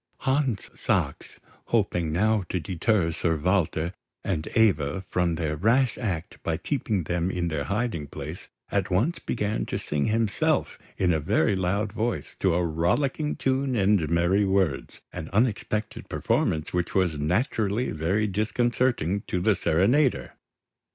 Hans Sachs, hoping now to deter Sir Walter and Eva from their rash act by keeping them in their hiding place, at once began to sing himself in a very loud voice, to a rollicking tune and merry words; an unexpected performance which was naturally very disconcerting to the serenader.